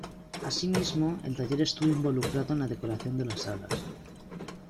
Asimismo, el taller estuvo involucrado en la decoración de las salas.